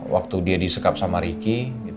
waktu dia disekap sama ricky